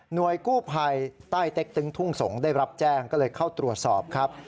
โดยกู้ภัยใต้เต็กตึงทุ่งสงศ์ได้รับแจ้งก็เลยเข้าตรวจสอบครับ